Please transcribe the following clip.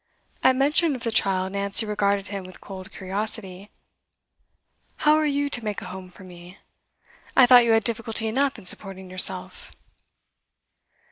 At mention of the child Nancy regarded him with cold curiosity. 'How are you to make a home for me? I thought you had difficulty enough in supporting yourself.